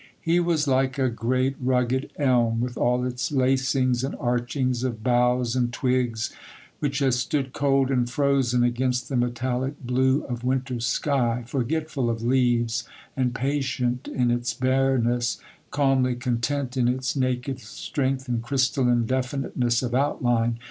He was like a great, rugged elm, with all its lacings and archings of boughs and twigs, which has stood cold and frozen against the metallic blue of winter sky, forgetful of leaves, and patient in its bareness, calmly content in its naked strength and crystalline definiteness of outline.